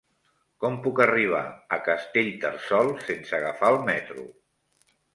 Com puc arribar a Castellterçol sense agafar el metro?